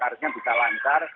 harusnya bisa lancar